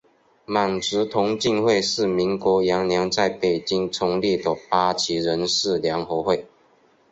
满族同进会是民国元年在北京成立的八旗人士联合会。